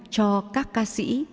cho các ca sĩ